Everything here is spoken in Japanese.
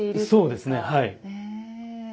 そうですねはい。